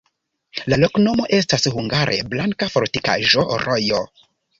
La loknomo estas hungare: blanka-fortikaĵo-rojo.